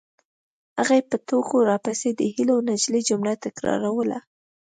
هغې به په ټوکو راپسې د هیلو نجلۍ جمله تکراروله